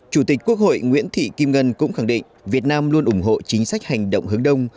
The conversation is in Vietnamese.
chủ tịch quốc hội nguyễn thị kim ngân cũng khẳng định việt nam luôn ủng hộ chính sách hành động hướng đông